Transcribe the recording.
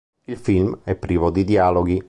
Il film è privo di dialoghi.